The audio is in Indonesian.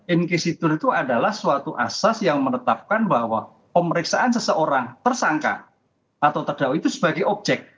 incusidur itu adalah suatu asas yang menetapkan bahwa pemeriksaan seseorang tersangka atau terdakwa itu sebagai objek